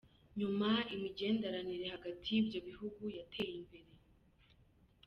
Mu nyuma imigenderanire hagati y'ivyo bihugu yarateye imbere.